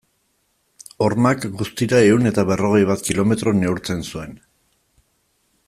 Hormak, guztira ehun eta berrogei bat kilometro neurtzen zuen.